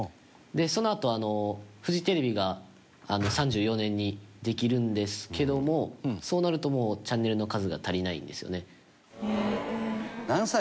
そのあと、フジテレビが３４年にできるんですけどもそうなると、チャンネルの数が足りないんですよね。